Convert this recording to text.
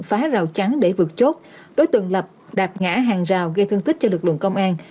phá rào chắn để vượt chốt đối tượng lập đạp ngã hàng rào gây thương tích cho lực lượng công an